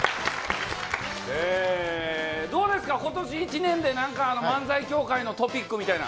どうですか、ことし一年でなんか、漫才協会のトピックみたいな。